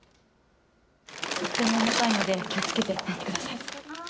とても重たいので気をつけて持ってください。